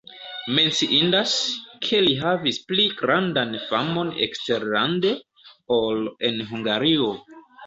Menciindas, ke li havis pli grandan famon eksterlande, ol en Hungario.